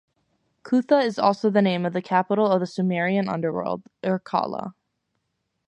Kutha is also the name of the capital of the Sumerian underworld, Irkalla.